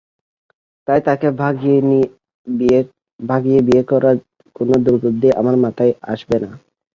তাই তাকে ভাগিয়ে বিয়ে করার কোনো দুর্বুদ্ধিও আমার মাথায় আসবে না।